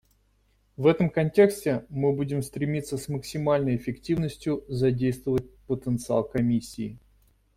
В этом контексте мы будем стремиться с максимальной эффективностью задействовать потенциал Комиссии.